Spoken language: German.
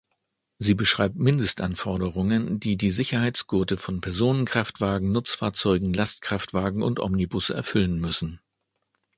Sie beschreibt Mindestanforderungen, die die Sicherheitsgurte von Personenkraftwagen, Nutzfahrzeugen, Lastkraftwagen und Omnibusse erfüllen müssen.